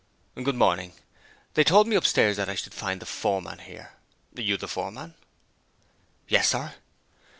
'Good morning. They told me upstairs that I should find the foreman here. Are you the foreman?' 'Yes, sir.'